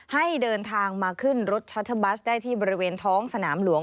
ให้เดินทางมาขึ้นรถชอตเทอร์บัสได้ที่บริเวณท้องสนามหลวง